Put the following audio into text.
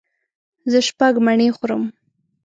زه شپږ مڼې خورم.